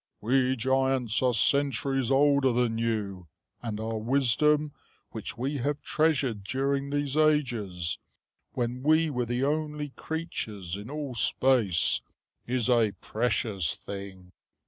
"We giants are centuries older than you, and our wisdom which we have treasured during these ages, when we were the only creatures in all space, is a precious thing.